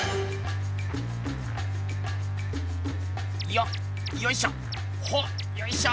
よっよいしょ！